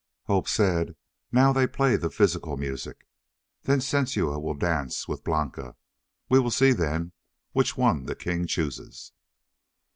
Hope said, "Now they play the physical music. Then Sensua will dance with Blanca. We will see then which one the king chooses."